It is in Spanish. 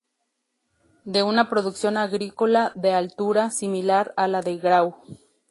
De una producción agrícola de altura, similar a la de Grau.